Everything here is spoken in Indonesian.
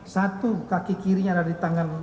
satu kaki kirinya ada di tangan